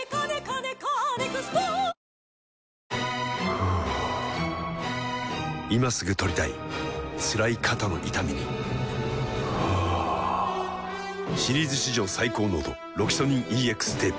ふぅ今すぐ取りたいつらい肩の痛みにはぁシリーズ史上最高濃度「ロキソニンＥＸテープ」